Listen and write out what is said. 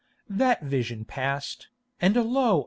That vision passed, and lo!